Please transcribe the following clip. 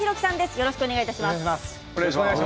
よろしくお願いします。